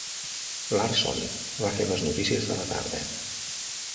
Larson va fer les notícies de la tarda.